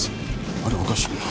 あれおかしいな？